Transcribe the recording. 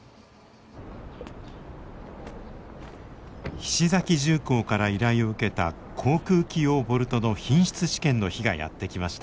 菱崎重工から依頼を受けた航空機用ボルトの品質試験の日がやって来ました。